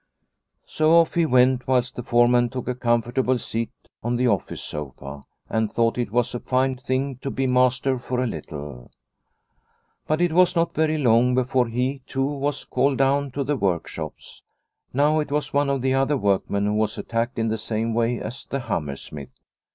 So off he went whilst the foreman took a comfortable seat on the office sofa, and thought it was a fine thing to be master for a little. But it was not very long before he, too, was called down to the workshops. Now it was one of the other workmen who was attacked in the same way as the hammer smith.